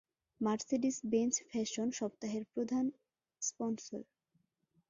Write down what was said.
Mercedes-Benz fashion সপ্তাহের প্রধান sponsor.